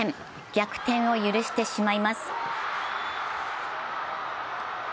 逆転を許してしまいます。